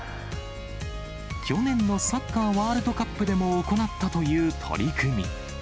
去年のサッカーワールドカップでも行ったという取り組み。